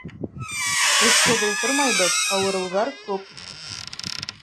Эшһеҙ ултырмайбыҙ, ауырыуҙар күп.